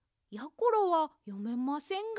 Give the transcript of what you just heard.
ころはよめませんが。